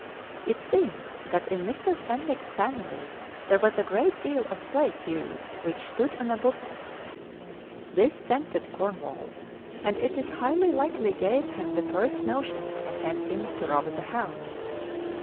It seems that in Mr. Fenwick's family there was a great deal of plate used, which stood on a buffet. This tempted Cornwall, and it is highly likely gave him the first notion of attempting to rob the house.